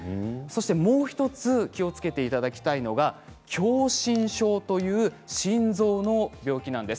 もう１つ気をつけていただきたいのが狭心症という心臓の病気なんです。